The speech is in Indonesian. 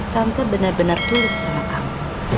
tante bener bener tulus sama kamu